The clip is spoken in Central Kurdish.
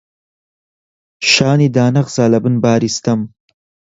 شانی دانەخزا لەبن باری ستەم،